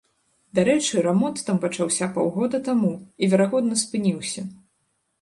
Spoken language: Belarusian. Дарэчы, рамонт там пачаўся паўгода таму і, верагодна, спыніўся.